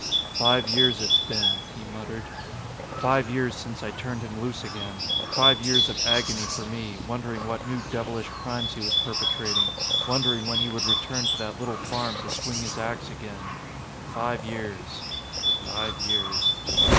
"Five years it's been," he muttered. "Five years since I turned him loose again. Five years of agony for me, wondering what new devilish crimes he was perpetrating, wondering when he would return to that little farm to swing his ax again. Five years five years."